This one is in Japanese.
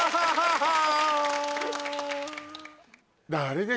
はい